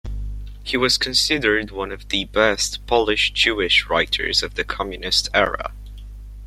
He was considered one of the best Polish-Jewish writers of the communist era.